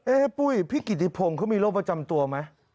ปุ้ยพี่กิติพงศ์เขามีโรคประจำตัวไหม